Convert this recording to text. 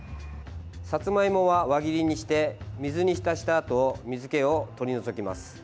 さつまいもは輪切りにして水に浸したあと水けを取り除きます。